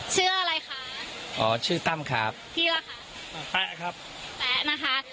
ชื่ออะไรคะอ๋อชื่อตั้มครับพี่ล่ะค่ะอ๋อแป๊ะครับแป๊ะนะคะ